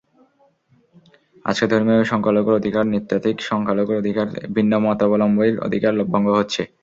আজকে ধর্মীয় সংখ্যালঘুর অধিকার, নৃতাত্ত্বিক সংখ্যালঘুর অধিকার, ভিন্নমতাবলম্বীর অধিকার ভঙ্গ হচ্ছে।